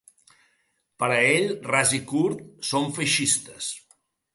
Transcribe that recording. Per a ell, ras i curt, ‘són feixistes’.